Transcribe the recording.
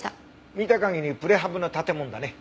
見た限りプレハブの建物だね。